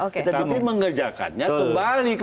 kita diperlukan mengerjakannya kembali kepada